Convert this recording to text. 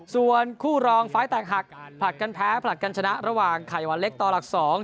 ส่วนคู่รองไฟล์แตกหักผลัดกันแพ้ผลัดกันชนะระหว่างไข่วันเล็กต่อหลัก๒